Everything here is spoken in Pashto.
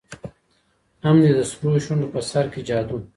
هم دي د سرو شونډو په سر كي جـادو